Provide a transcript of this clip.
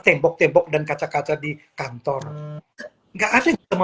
tembok tembok dan kaca kaca di kantor nggak ada